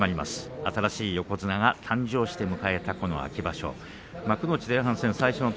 新しい横綱が誕生して始まったこの秋場所。